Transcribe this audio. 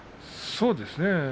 そうですね。